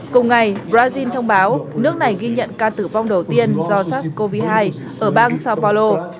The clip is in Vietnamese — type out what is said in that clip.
cùng ngày brazil thông báo nước này ghi nhận ca tử vong đầu tiên do sars cov hai ở bang sao paulo